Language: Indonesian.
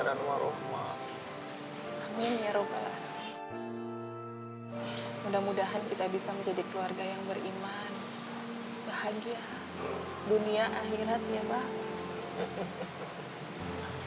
dan warohmat amin ya rohbalatuh mudah mudahan kita bisa menjadi keluarga yang beriman bahagia dunia